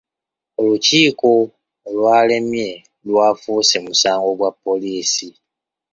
Olukiiko olwalemye lwafuuse musango gwa poliisi.